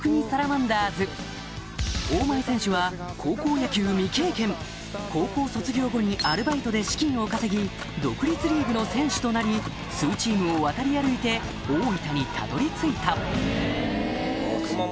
サラマンダーズ大前選手は高校野球未経験高校卒業後にアルバイトで資金を稼ぎ独立リーグの選手となり数チームを渡り歩いて大分にたどり着いたハハハ！